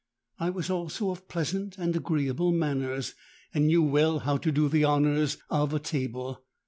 I was also of pleasant and agreeable manners, and knew well how to do the honours of a table.